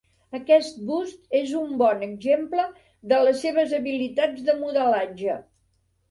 Aquest bust és un bon exemple de les seves habilitats de modelatge.